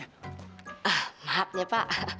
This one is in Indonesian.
ah maaf ya pak